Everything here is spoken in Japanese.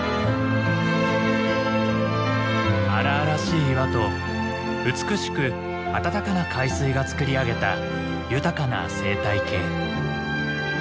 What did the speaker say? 荒々しい岩と美しくあたたかな海水が作り上げた豊かな生態系。